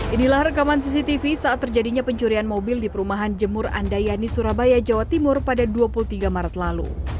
inilah rekaman cctv saat terjadinya pencurian mobil di perumahan jemur andayani surabaya jawa timur pada dua puluh tiga maret lalu